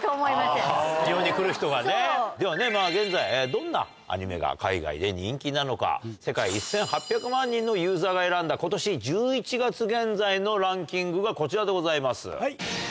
では現在、どんなアニメが海外で人気なのか、世界１８００万人のユーザーが選んだことし１１月現在のランキングがこちらでございます。